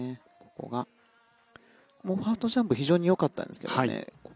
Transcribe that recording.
ここがファーストジャンプ非常に良かったんですけどね。